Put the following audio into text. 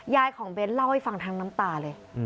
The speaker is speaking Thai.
ของเบ้นเล่าให้ฟังทั้งน้ำตาเลย